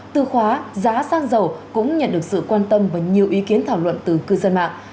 từ khóa giá xăng dầu cũng nhận được sự quan tâm và nhiều ý kiến thảo luận từ cư dân mạng